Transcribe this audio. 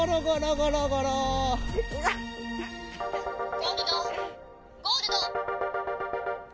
「ゴールドゴールド！